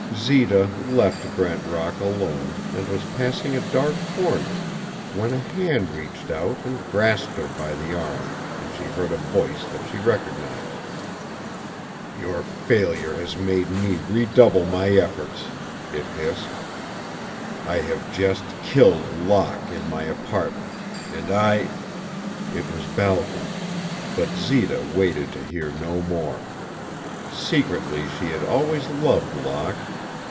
Zita left Brent Rock alone and was passing a dark corner when a hand reached out and grasped her by the arm and she heard a voice that she recognized. "Your failure has made me redouble my efforts," it hissed. "I have just killed Locke in my apartment and I " It was Balcom. But Zita waited to hear no more. Secretly she had always loved Locke.